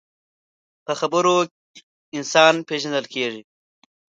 په خبرو انسان پیژندل کېږي